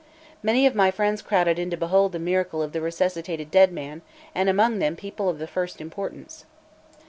Many of my friends crowded in to behold the miracle of the resuscitated dead man, and among them people of the first importance.